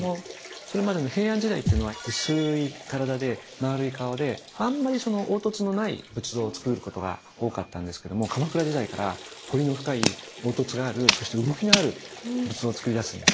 それまでの平安時代っていうのは薄い体で丸い顔であんまり凹凸のない仏像をつくることが多かったんですけども鎌倉時代から彫りの深い凹凸があるそして動きのある仏像を作り出すんですね。